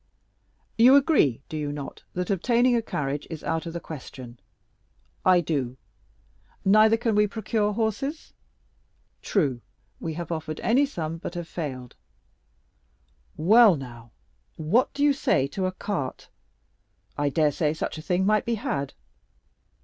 "You agree, do you not, that obtaining a carriage is out of the question?" "I do." "Neither can we procure horses?" "True; we have offered any sum, but have failed." "Well, now, what do you say to a cart? I dare say such a thing might be had."